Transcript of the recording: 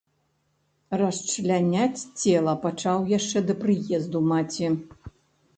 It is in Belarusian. Расчляняць цела пачаў яшчэ да прыезду маці.